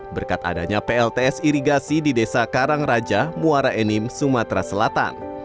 berkat adanya plts irigasi di desa karangraja muara enim sumatera selatan